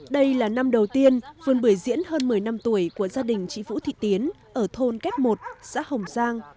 đây là năm đầu tiên vườn bưởi diễn hơn một mươi năm tuổi của gia đình chị vũ thị tiến ở thôn kép một xã hồng giang